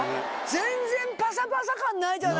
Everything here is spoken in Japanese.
全然パサパサ感ないじゃないですか！